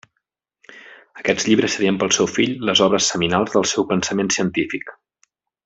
Aquests llibres serien pel seu fill les obres seminals del seu pensament científic.